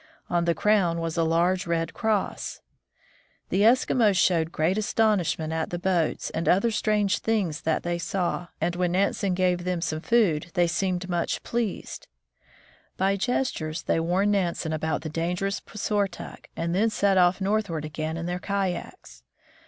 On the crown was a large red cross. The Eskimos showed great astonishment at the boats and other strange things that they saw, and when Nansen gave them some food, they seemed much pleased. By NANSEN CROSSES GREENLAND 115 gestures they warned Nansen about the dangerous Puisor tok, and then set off northward again in their kayaks.